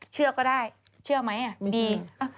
เชื่อก็ได้เชื่อมั้ยอ่ะบี